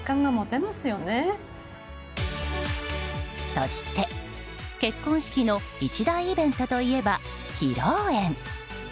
そして結婚式の一大イベントといえば披露宴。